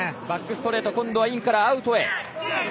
バックストレート今度はインからアウトへ。